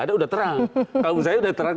ada sudah terang kalau misalnya sudah terang